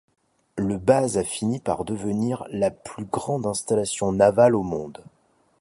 Le base a fini par devenir la plus grande installation navale au monde.